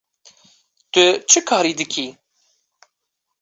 Tu çi karî dikî?